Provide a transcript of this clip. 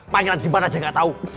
panggilan di mana aja gak tau